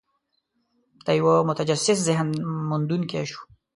د یوه متجسس ذهن موندونکي شو.